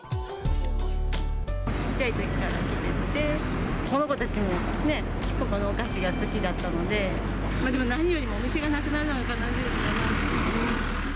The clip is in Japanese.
ちっちゃいときから来てて、この子たちもね、ここのお菓子が好きだったので、何よりもお店がなくなるのが悲しいです。